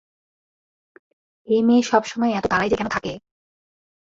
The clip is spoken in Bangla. এই মেয়ে সবসময় এত তাড়ায় যে কেন থাকে?